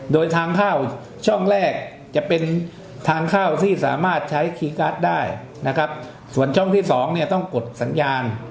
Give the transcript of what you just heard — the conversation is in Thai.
โดยทางเข้าช่องแรกจะเป็นทางเข้าที่สามารถใช้คีย์การ์ดได้นะครับส่วนช่องที่สองเนี่ยต้องกดสัญญาณ